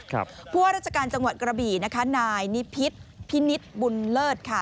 เพราะว่าราชการจังหวัดกระบี่นะคะนายนิพิษพินิษฐ์บุญเลิศค่ะ